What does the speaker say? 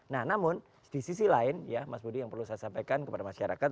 nah namun di sisi lain ya mas budi yang perlu saya sampaikan kepada masyarakat